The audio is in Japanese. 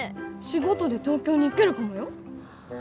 仕事で東京に行けるかもよ？